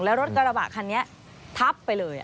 แล้วรถกระบะคันนี้ทับไปเลย